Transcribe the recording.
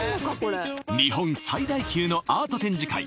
日本最大級のアート展示会